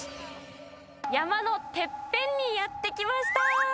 山のてっぺんにやって来ました。